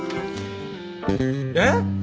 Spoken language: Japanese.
えっ！？